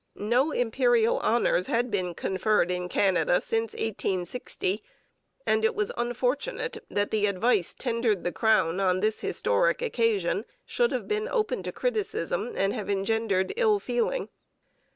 No Imperial honours had been conferred in Canada since 1860, and it was unfortunate that the advice tendered the crown on this historic occasion should have been open to criticism and have engendered ill feeling.